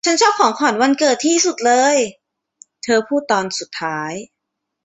'ฉันชอบของขวัญวันเกิดที่สุดเลย' เธอพูดตอนสุดท้าย